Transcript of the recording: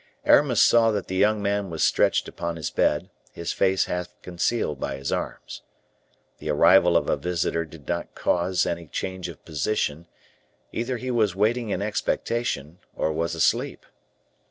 Aramis saw that the young man was stretched upon his bed, his face half concealed by his arms. The arrival of a visitor did not caused any change of position; either he was waiting in expectation, or was asleep.